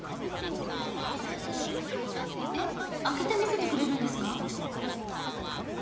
えっ開けて見せてくれるんですか？